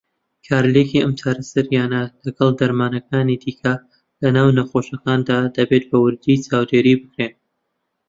کارلێکی ئەم چارەسەریانە لەگەڵ دەرمانەکانی دیکه لەناو نەخۆشەکاندا دەبێت بە وردی چاودێری بکرێن.